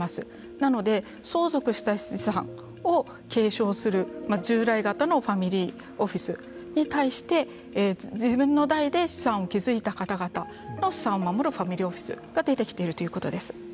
なので、相続した資産を継承する従来型のファミリーオフィスに対して自分の代で資産を築いた方々の資産を守るファミリーオフィスが出てきているということです。